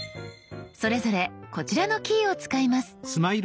それぞれこちらのキーを使います。